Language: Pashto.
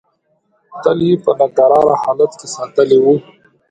تل یې په ناکراره حالت کې ساتلې وه.